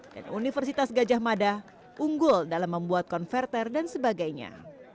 dan universitas gajah mada unggul dalam membuat konverter dan sebagainya